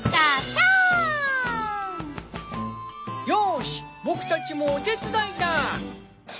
よし僕たちもお手伝いだ！